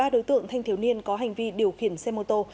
một mươi ba đối tượng thanh thiếu niên có hành vi điều khiển xe mô tô